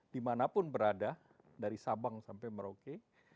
dimanapun berada dari sabang sampai merauke